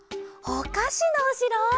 おかしのおしろ！